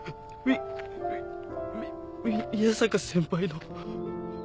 みみ宮坂先輩の。